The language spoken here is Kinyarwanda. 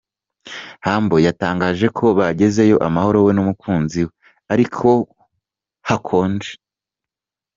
Humble yatangaje ko bagezeyo amahoro we n’umukunzi we ariko ko hakonje.